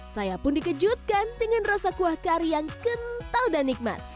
saya pun dikejutkan dengan rasa kuah kari yang kental dan nikmat